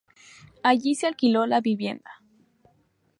Allí se alquiló la vivienda.